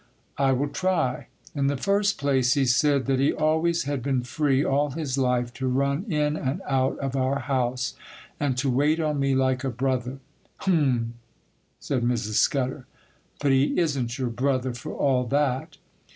'I will try. In the first place he said that he always had been free, all his life, to run in and out of our house, and to wait on me like a brother.' 'Hum!' said Mrs. Scudder; 'but he isn't your brother for all that.